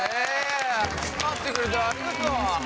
集まってくれてありがとう！